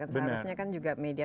seharusnya kan juga media